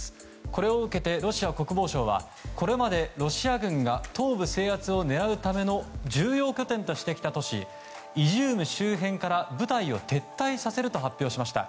これを受けて、ロシア国防省はこれまでロシア軍が東部制圧を狙うための重要拠点としてきた都市イジューム周辺から部隊を撤退させると発表しました。